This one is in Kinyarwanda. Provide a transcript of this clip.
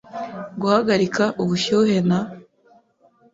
guhagarika ubushyuhe na